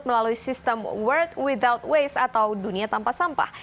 melalui sistem world redalt waste atau dunia tanpa sampah